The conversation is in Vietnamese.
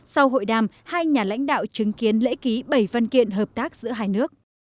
sau hội đàm hai nhà lãnh đạo chứng kiến lễ ký bảy văn kiện hợp tác giữa hai nước